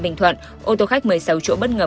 bình thuận ô tô khách một mươi sáu chỗ bất ngờ